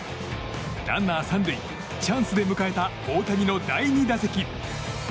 ランナー３塁、チャンスで迎えた大谷の第２打席。